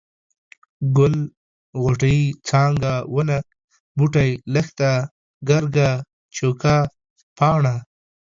ګل، غوټۍ، څانګه ، ونه ، بوټی، لښته ، ګرګه ، چوکه ، پاڼه،